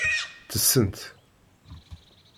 Ttessent.